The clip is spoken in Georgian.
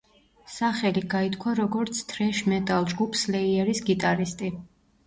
სახელი გაითქვა როგორც თრეშ მეტალ ჯგუფ სლეიერის გიტარისტი.